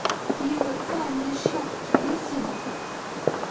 You will find a shot missing.